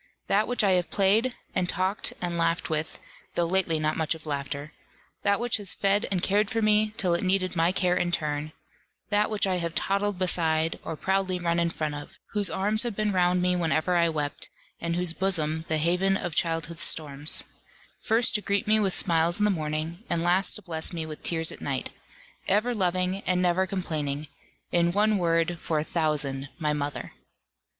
That which I have played, and talked, and laughed with, though lately not much of laughter, that which has fed and cared for me, till it needed my care in turn; that which I have toddled beside, or proudly run in front of; whose arms have been round me whenever I wept, and whose bosom the haven of childhood's storms; first to greet me with smiles in the morning, and last to bless me with tears at night; ever loving, and never complaining in one word for a thousand, my mother.